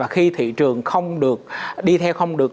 không được đi theo không được